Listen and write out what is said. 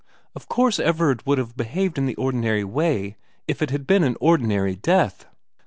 Of course Everard would have behaved in the ordinary way if it had been an ordinary death.'